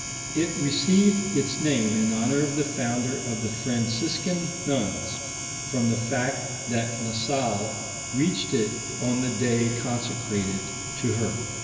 It received its name in honor of the founder of the Franciscan nuns, from the fact that La Salle reached it on the day consecrated to her.